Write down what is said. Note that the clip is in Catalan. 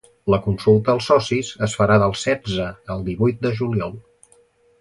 La consulta als socis es farà del setze al divuit de juliol.